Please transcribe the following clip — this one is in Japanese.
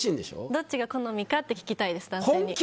どっちが好みかって聞きたいです。